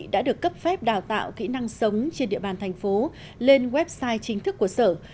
đã được cấp phép đào tạo kỹ năng sống trên địa bàn thành phố lên website chính thức của sở